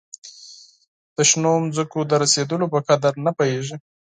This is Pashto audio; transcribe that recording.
د شنو مځکو د رسېدلو په قدر نه پوهیږي.